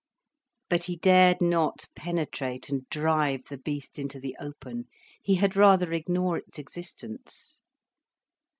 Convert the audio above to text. But he dared not penetrate and drive the beast into the open. He had rather ignore its existence.